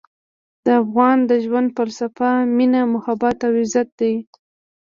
د افغان د ژوند فلسفه مینه، محبت او عزت دی.